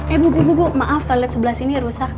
eh bu bu bu maaf toilet sebelah sini rusak